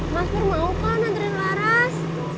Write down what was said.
mas pur mau kan nantri laras